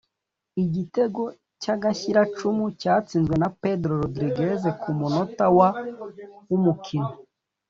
igitego cy'agashyiracumu cyatsinzwe na Pedro Rodriguez ku munota wa ' w'umukino